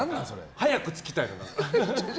早く着きたいの。